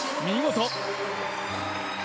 見事！